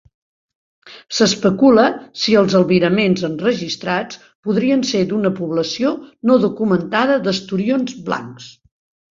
S"especula si els albiraments enregistrats podrien ser d"una població no documentada d"esturions blancs.